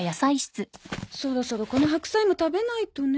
そろそろこの白菜も食べないとね。